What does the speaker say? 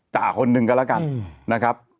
จากคนหนึ่งก็แล้วกันนะครับ